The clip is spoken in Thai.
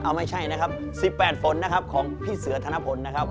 เอาไม่ใช่นะครับ๑๘ฝนนะครับของพี่เสือธนพลนะครับ